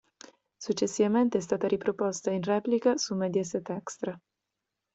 Successivamente è stata riproposta in replica su Mediaset Extra.